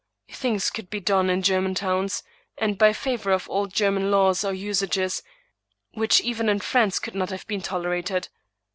Things could be done in German towns, and by favor of old German laws or usages,, which even in France could not have been tolerated.